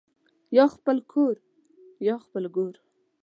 یا خپل کورریا خپل ګور